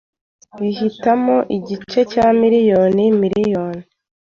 bahitana igice cya miliyoni miliyoni.